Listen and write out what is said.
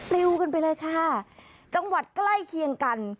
ลิวกันไปเลยค่ะจังหวัดใกล้เคียงกัน